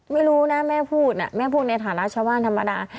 ไม่รู้นะแม่พูดแม่พูดในฐานะชาวบ้านธรรมดา